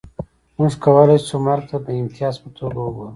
موږ کولای شو مرګ ته د امتیاز په توګه وګورو